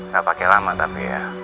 nggak pakai lama tapi ya